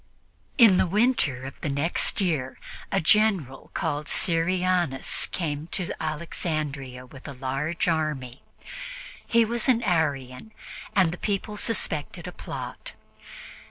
In the winter of the next year, a General called Syrianus came to Alexandria with a large army. He was an Arian, and the people suspected a plot.